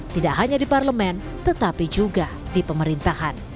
tidak hanya di parlemen tetapi juga di pemerintahan